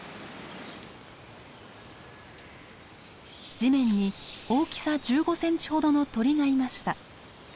地面に大きさ１５センチほどの鳥がいました。